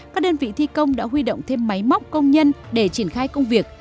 các đơn vị thi công đã huy động thêm máy móc công nhân để triển khai công việc